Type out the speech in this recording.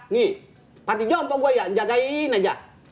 nih pati jom pok gue ya jagain aja